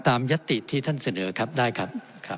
ยัตติที่ท่านเสนอครับได้ครับ